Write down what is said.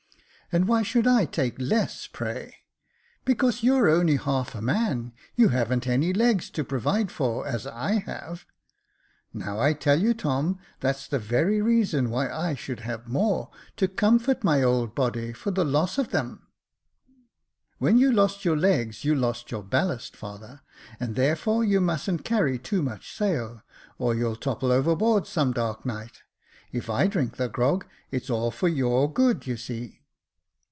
" And why should I take less, pray .'*"" Because you're only half a man ; you haven't any legs to provide for, as I have." " Now I tell you, Tom, that's the very reason why I should have more, to comfort my old body for the loss of them." 74 Jacob Faithful When you lost your legs you lost your ballast, father, and, therefore, you mus'n't carry too much sail, or you'll topple overboard some dark night. If I drink the grog, it's all for your good, you see."